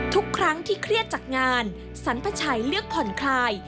ทุกครั้งที่เครียดจากงานสรรพชัยเลือกผ่อนคลาย